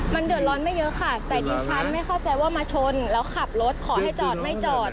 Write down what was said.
มันเดือดร้อนไม่เยอะค่ะแต่ดิฉันไม่เข้าใจว่ามาชนแล้วขับรถขอให้จอดไม่จอด